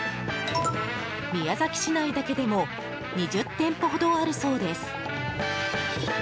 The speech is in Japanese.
宮崎市内だけでも２０店舗ほどあるそうです。